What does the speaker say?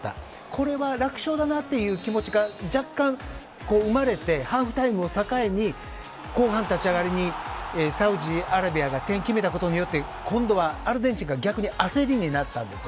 これは楽勝だなという気持ちが若干、生まれてハーフタイムを境に後半、立ち上がりにサウジアラビアが点を決めたことによって今度はアルゼンチンが逆に焦りになりました。